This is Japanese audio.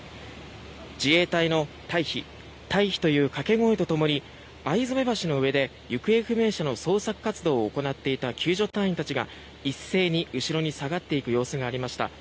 自衛隊の退避、退避という掛け声とともに逢初橋の上で行方不明者の捜索活動を行っていた救助隊員たちが一斉に後ろに下がっていく様子がありました。